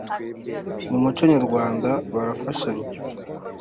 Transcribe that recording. mu muco nyarwanda barafashanya.